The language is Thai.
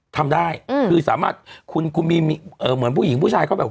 ทำได้คือสามารถคุณคุณมีเอ่อเหมือนผู้หญิงผู้ชายเขาแบบ